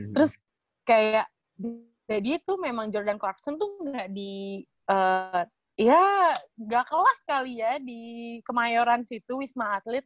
terus kayak jadi itu memang jordan corpson tuh gak di ya gak kelas kali ya di kemayoran situ wisma atlet